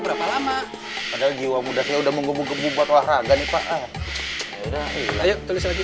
udah lama ada jiwa muda sudah menggubung ke bumbat wah raga nih pak ayo tulis lagi